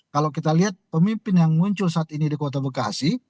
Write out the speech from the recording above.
kalau kita lihat pemimpin yang muncul saat ini di kota bekasi